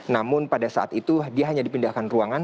namun pada saat itu dia hanya dipindahkan ruangan